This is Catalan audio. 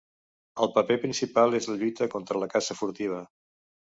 El paper principal és la lluita contra la caça furtiva.